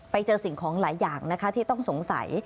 สิ่งของหลายอย่างนะคะที่ต้องสงสัย